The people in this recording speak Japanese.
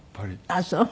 あっそう？